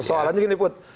soalnya gini put